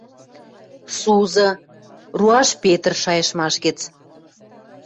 Сузы, «Руаш Петр» шайыштмаш гӹц.